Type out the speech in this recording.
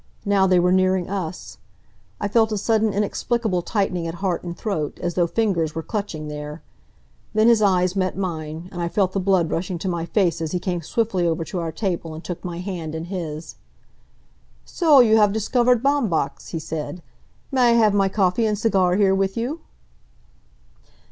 Now they were nearing us. I felt a sudden, inexplicable tightening at heart and throat, as though fingers were clutching there. Then his eyes met mine, and I felt the blood rushing to my face as he came swiftly over to our table and took my hand in his. "So you have discovered Baumbach's," he said. "May I have my coffee and cigar here with you?"